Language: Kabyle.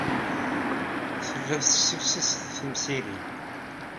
Tellid tessifsised timsirin.